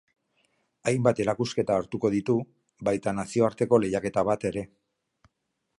Hainbat erakusketa hartuko ditu, baita nazioarteko lehiaketa bat ere.